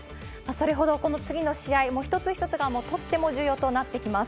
それほどこの次の試合、一つ一つがとっても重要となってきます。